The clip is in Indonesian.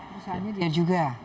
perusahaannya dia juga